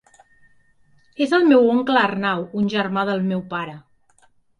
És el meu oncle Arnau, un germà del meu pare.